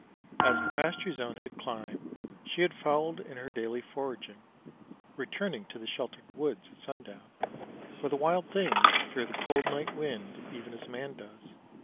As the pasture zone had climbed she had followed in her daily foraging, returning to the sheltered woods at sundown, for the wild things fear the cold night wind even as man does.